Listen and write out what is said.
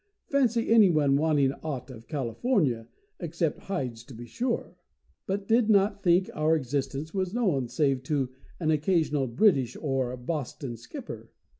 Fancy any one wanting aught of California, except hides, to be sure. I did not think our existence was known save to an occasional British or Boston skipper.